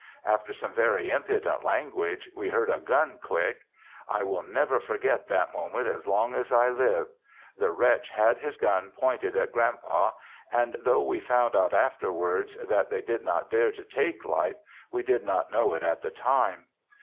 After some very impudent language we heard a gun click. I will never forget that moment as long as I live. The wretch had his gun pointed at Grand Pa, and though we found out afterwards that they did not dare to take life, we did not know it at the time.